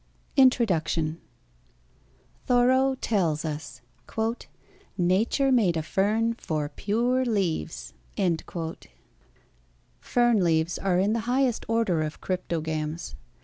INTRODUCTION Thoreau tells us, "Nature made a fern for pure leaves." Fern leaves are in the highest order of cryptogams.